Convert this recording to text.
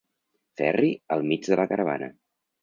Ferri al mig de la caravana.